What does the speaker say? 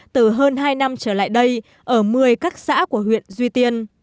từ hơn hai năm trở lại đây ở một mươi các xã của huyện duy tiên